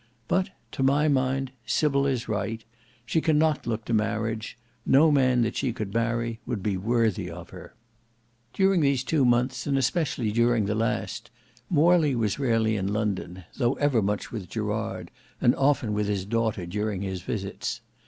But, to my mind, Sybil is right. She cannot look to marriage: no man that she could marry would be worthy of her." During these two months, and especially during the last, Morley was rarely in London, though ever much with Gerard, and often with his daughter during his visits.